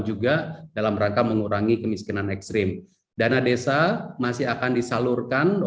juga dalam rangka mengurangi kemiskinan ekstrim dana desa masih akan disalurkan